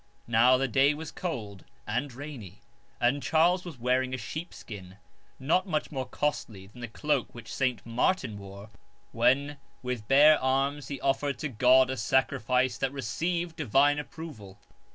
Now the day was cold and rainy and Charles was wearing a sheepskin, not much more costly than the cloak which Saint Martin wore when with bare arms he offered to God a sacrifice that received divine approval.